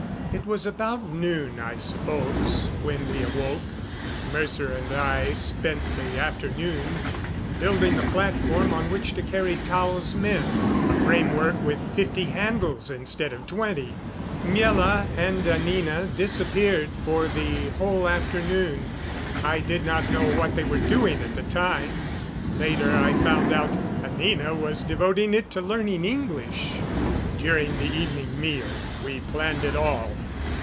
It was about noon, I suppose, when we awoke. Mercer and I spent the afternoon building the platform on which to carry Tao's men a framework with fifty handles instead of twenty. Miela and Anina disappeared for the whole afternoon. I did not know what they were doing at the time; later I found out Anina was devoting it to learning English. During the evening meal we planned it all.